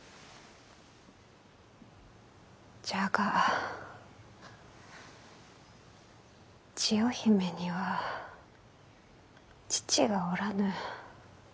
じゃが千代姫には父がおらぬ。